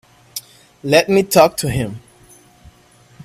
Let me talk to him.